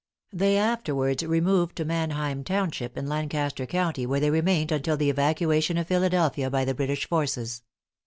They afterwards removed to Manheim Township in Lancaster County where they remained until the evacuation of Philadelphia by the British forces.